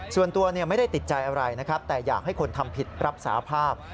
ส่วนตัวไม่ได้ติดใจอะไรนะครับแต่อยากให้คนทำผิดรับสาภาพ